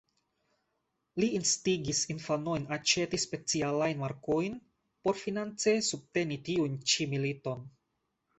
Li instigis infanojn aĉeti specialajn markojn por finance subteni tiun ĉi militon.